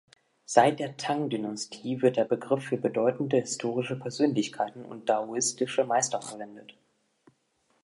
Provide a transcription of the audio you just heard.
Seit der Tang-Dynastie wird der Begriff für bedeutende historische Persönlichkeiten und daoistische Meister verwendet.